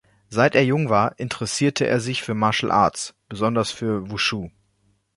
Seit er jung war, interessierte er sich für Martial Arts, besonders für Wushu.